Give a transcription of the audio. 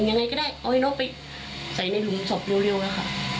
เอาให้นอกไปใส่ในถุงสบเร็วละค่ะ